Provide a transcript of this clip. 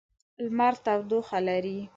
لمر تودوخه لري.